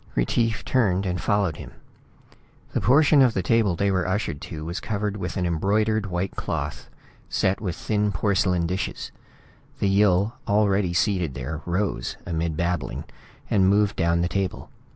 Retief turned and followed him. The portion of the table they were ushered to was covered with an embroidered white cloth, set with thin porcelain dishes. The Yill already seated there rose, amid babbling, and moved down the table.